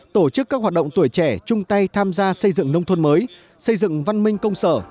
tổ chức các hoạt động tuổi trẻ chung tay tham gia xây dựng nông thôn mới xây dựng văn minh công sở